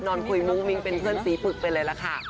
นอนคุยมุ้งมิ้งเป็นเพื่อนสีปึกไปเลยล่ะค่ะ